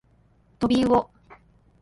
とびうお